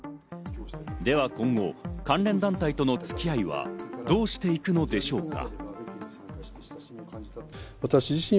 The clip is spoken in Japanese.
では今後、関連団体との付き合いはどうしていくのでしょうか？